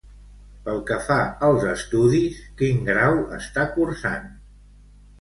Pel que fa als estudis, quin grau està cursant?